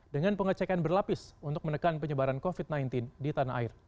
dengan pengecekan berlapis untuk menekan penyebaran covid sembilan belas di tanah air